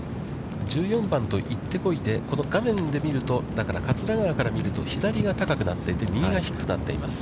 １４番と行ってこいで、この画面で見ると、桂川から見ると左が高くなってて、右が低くなっています。